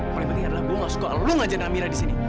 paling penting adalah gue nggak suka lo ngajarin amirah disini